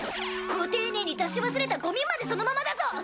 ご丁寧に出し忘れたゴミまでそのままだぞ！